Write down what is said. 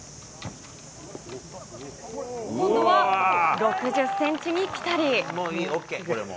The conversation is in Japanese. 今度は、６０センチにぴたり。